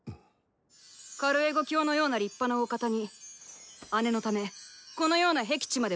カルエゴ卿のような立派なお方に姉のためこのようなへき地までお越し頂き